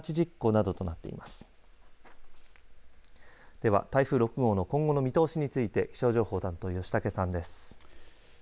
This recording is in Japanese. では台風６号の今後の見通しについて気象情報担当、吉竹さんです。